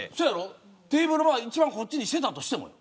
テーブルを一番こっちにしていたとしてもね。